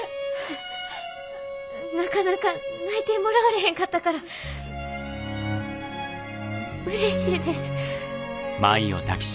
なかなか内定もらわれへんかったからうれしいです。